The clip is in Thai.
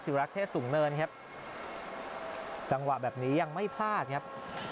รักเทศสูงเนินครับจังหวะแบบนี้ยังไม่พลาดครับ